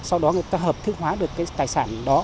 sau đó người ta hợp thức hóa được cái tài sản đó